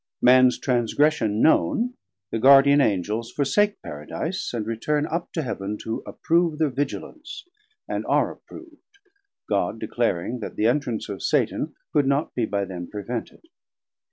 Mans transgression known, the Guardian Angels forsake Paradise, and return up to Heaven to approve thir vigilance, and are approv'd, God declaring that The entrance of Satan could not be by them prevented.